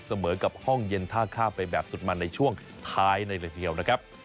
เสมอกับห้องเย็นท่าข้ามไปแบบสุดมันในช่วงท้ายในเลยทีเดียวนะครับ